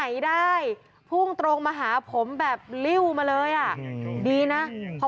ยับเยินค่ะ